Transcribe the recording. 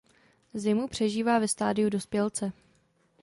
Zimu přežívá ve stádiu dospělce.